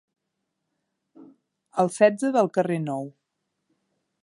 El setze del carrer Nou.